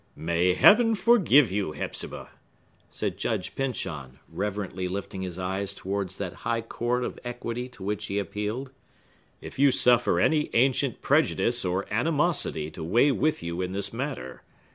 "May Heaven forgive you, Hepzibah," said Judge Pyncheon,—reverently lifting his eyes towards that high court of equity to which he appealed,—"if you suffer any ancient prejudice or animosity to weigh with you in this matter.